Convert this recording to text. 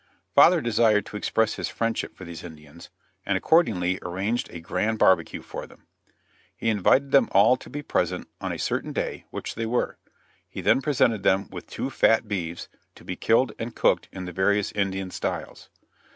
Father desired to express his friendship for these Indians, and accordingly arranged a grand barbecue for them. He invited them all to be present on a certain day, which they were; he then presented them with two fat beeves, to be killed and cooked in the various Indian styles.